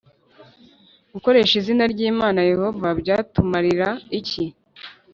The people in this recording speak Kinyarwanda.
gukoresha izina ry Imana Yehova byatumarira iki